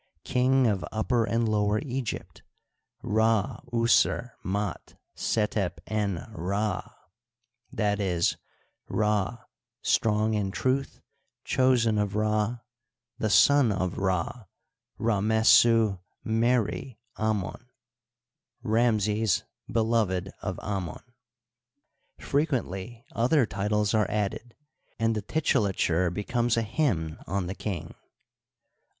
King of Upper and Lower Egypt, Rd user mdt setep en Rd (i. e., Ra, strong in truth, chosen of Ra), the son of Rd, Ramessu meri Anton (Ramses, beloved of Amon). Frequently other titles are added, and the titulature becomes a hymn on the king.